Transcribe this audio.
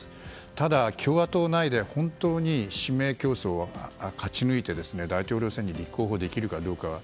ただ、共和党内で本当に指名競争を勝ち抜いて大統領選に立候補できるかどうか。